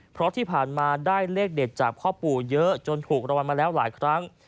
เพราะที่ผ่านมาได้เลขเด็ดจากพ่อปู่เยอะจนถูกรางวัลมาแล้วหลายครั้ง